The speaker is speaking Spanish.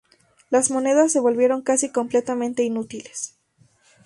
Las monedas se volvieron casi completamente inútiles.